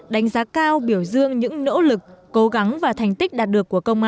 đánh giá cao biểu dương những nỗ lực cố gắng và thành tích đạt được của công an